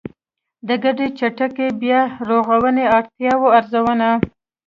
د ګډې چټکې بيا رغونې د اړتیاوو ارزونه